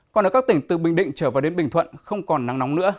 còn ở các tỉnh từ bình định trở vào đến bình thuận không còn nắng nóng nữa